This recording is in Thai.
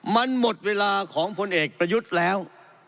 มันหมดเวลาของพลเอกประยุทธ์แล้ว